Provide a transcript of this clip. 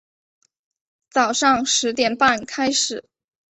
早上十点半开始